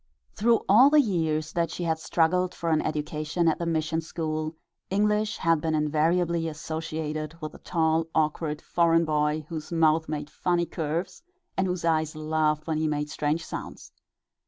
Through all the years that she had struggled for an education at the mission school, English had been invariably associated with a tall, awkward, foreign boy, whose mouth made funny curves and whose eyes laughed when he made strange sounds.